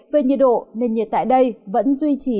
về nhiệt độ nền nhiệt tại đây vẫn duy trì